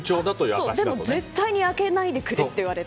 でも、絶対に開けないでくれと言われて。